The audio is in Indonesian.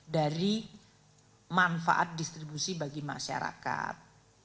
dari manfaat distribusi bagi masyarakat